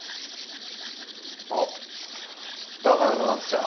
あっだから七瀬ちゃん